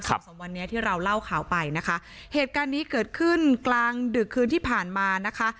สองสามวันนี้ที่เราเล่าข่าวไปนะคะเหตุการณ์นี้เกิดขึ้นกลางดึกคืนที่ผ่านมานะคะ